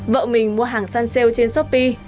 vợ mình mua hàng san siêu trên shopee